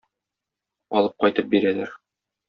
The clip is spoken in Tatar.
Алып кайтып бирәләр.